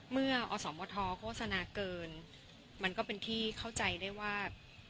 เมื่ออสมทโฆษณาเกินมันก็เป็นที่เข้าใจได้ว่า